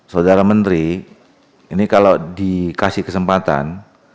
saudara menteri ini kalau dikasih kesempatan